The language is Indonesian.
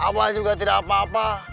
allah juga tidak apa apa